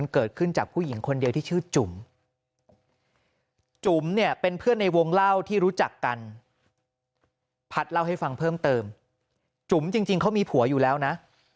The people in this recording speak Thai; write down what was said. ก็ในวงเล่าที่รู้จักกันพัดเล่าให้ฟังเพิ่มเติมจุ๋มจริงเขามีผัวอยู่แล้วนะ